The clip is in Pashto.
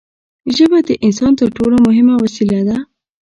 ژبه د انسان تر ټولو مهمه وسیله ده.